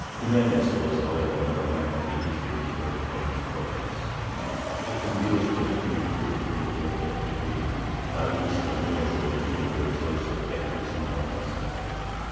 Ximenes was, however, not a man to be easily deterred from his purpose. He induced the queen to promulgate a decree by which the Moors were given their choice of baptism or exile.